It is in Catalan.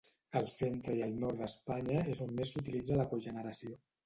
Al centre i al nord d'Espanya és on més s'utilitza la cogeneració.